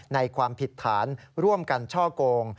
ความผิดฐานร่วมกันช่อโกง